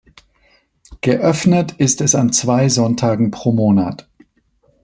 Geöffnet ist es an zwei Sonntagen pro Monat.